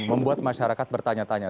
membuat masyarakat bertanya tanya